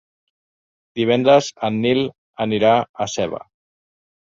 Divendres en Nil anirà a Seva.